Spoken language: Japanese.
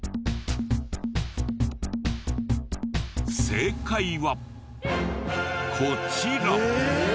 正解はこちら。